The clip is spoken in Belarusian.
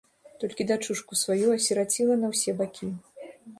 Толькі дачушку сваю асіраціла на ўсе бакі.